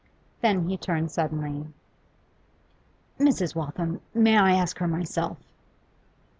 Then he turned suddenly. 'Mrs. Waltham, may I ask her myself?